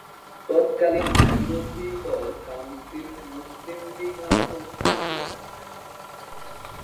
তৎকালীন বিরোধী দল কাউন্সিল মুসলিম লীগ নামে পরিচিত ছিল।